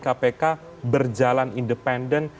kpk berjalan independen